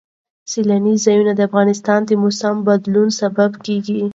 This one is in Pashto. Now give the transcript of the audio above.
سیلاني ځایونه د افغانستان د موسم د بدلون سبب کېږي.